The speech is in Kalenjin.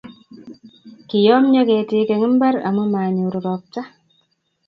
Kiyamyo ketik eng mbar amu manyor ropta